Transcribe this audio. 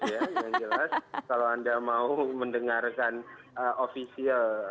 yang jelas kalau anda mau mendengarkan ofisial